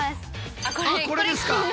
あっこれですか。